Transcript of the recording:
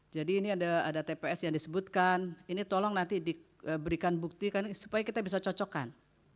jadi ini ada tps yang disebutkan ini tolong nanti diberikan bukti supaya kita bisa cocokkan